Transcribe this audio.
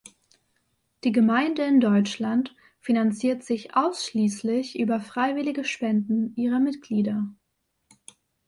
Die Gemeinde in Deutschland finanziert sich ausschließlich über freiwillige Spenden ihrer Mitglieder.